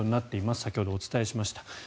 先ほど、お伝えしました。